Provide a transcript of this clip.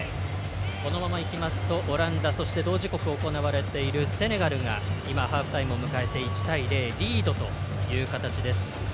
このままいきますとオランダそして、同時刻、行われているセネガルが今、ハーフタイムを迎えて１対０リードという形です。